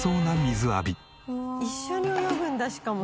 一緒に泳ぐんだしかも。